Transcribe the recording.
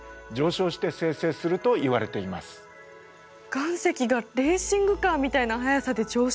岩石がレーシングカーみたいな速さで上昇？